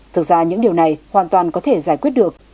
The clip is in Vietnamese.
thực ra những điều này hoàn toàn có thể giải quyết được